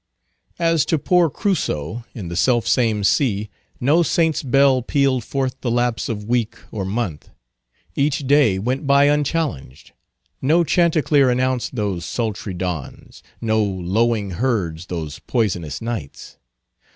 As to poor Crusoe in the self same sea, no saint's bell pealed forth the lapse of week or month; each day went by unchallenged; no chanticleer announced those sultry dawns, no lowing herds those poisonous nights.